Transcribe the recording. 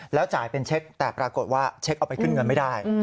แล้วจ่ายเป็นเช็คแต่ปรากฏว่าเช็คเอาไปขึ้นเงินไม่ได้